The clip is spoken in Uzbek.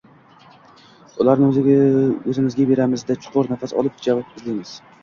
ularni o‘zimizga beramizda, chuqur nafas olib, javob izlaymiz.